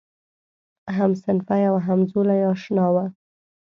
همصنفي او همزولی آشنا و.